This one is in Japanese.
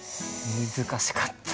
難しかった。